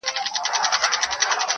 o سرې سونډي دي یاره له شرابو زوروري دي,